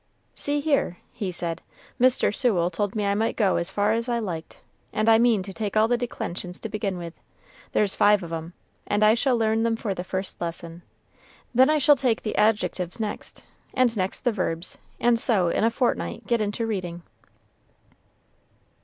"See here," he said; "Mr. Sewell told me I might go as far as I liked, and I mean to take all the declensions to begin with; there's five of 'em, and I shall learn them for the first lesson; then I shall take the adjectives next, and next the verbs, and so in a fortnight get into reading."